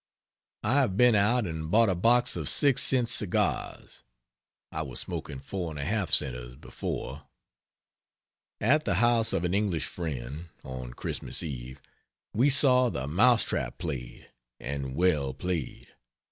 I have been out and bought a box of 6 cent cigars; I was smoking 4 1/2 centers before. At the house of an English friend, on Christmas Eve, we saw the Mouse Trap played and well played.